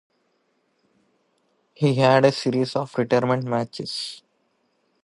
He had a series of retirement matches.